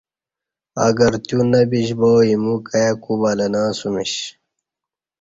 اگر تیو نہ بیش با ایمو کائی کو بلہ نہ اسہ میش۔